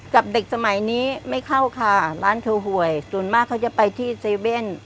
กับเด็กสมัยนี้ไม่เข้าค่ะร้านถูกหวยส่วนมากเขาจะไปที่๗๑๑